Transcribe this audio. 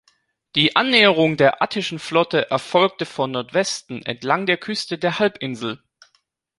Die Annäherung der attischen Flotte erfolgte von Nordwesten entlang der Küste der Halbinsel.